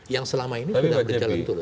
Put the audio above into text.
yang selama ini sudah berjalan terus